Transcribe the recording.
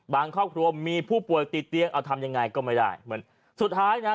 ครอบครัวมีผู้ป่วยติดเตียงเอาทำยังไงก็ไม่ได้เหมือนสุดท้ายนะฮะ